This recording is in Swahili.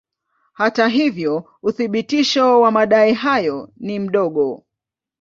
Hata hivyo uthibitisho wa madai hayo ni mdogo.